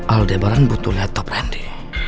aldebaran butuh laptop randy